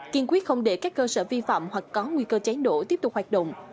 kiên quyết không để các cơ sở vi phạm hoặc có nguy cơ cháy nổ tiếp tục hoạt động